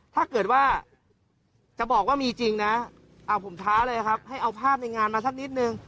ถ้าเกิดว่าจะบอกว่ามีจริงนะผมท้าเลยครับให้เอาภาพในงานมาสักนิดนึง